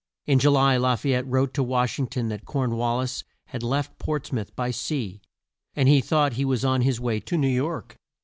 In Ju ly La fay ette wrote to Wash ing ton that Corn wal lis had left Ports mouth by sea, and he thought he was on his way to New York.